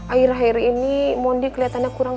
akhir akhir ini mondi kelihatannya kurang